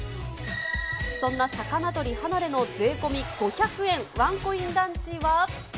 そんな肴とり、はなれの税込み５００円、ワンコインランチは。